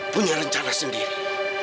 punya rencana sendiri